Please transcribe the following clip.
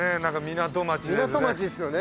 港町ですよね。